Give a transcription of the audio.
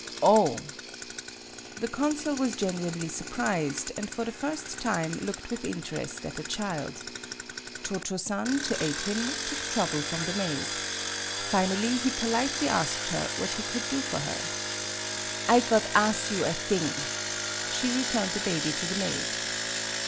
"Oh!" The consul was genuinely sur prised, and for the first time looked with interest at the child. Cho Cho San, to aid him, took Trouble from the maid. Finally he politely asked her what he could do for her. "I got as' you a thing." She returned the baby to the maid.